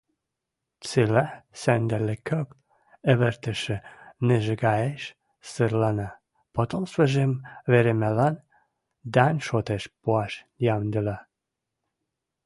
Цилӓ сӓндӓлӹкок ӹвӹртӹшӹ нӹжгӓэш сырлана, потомствыжым веремӓлӓн дань шотеш пуаш йӓмдӹлӓ...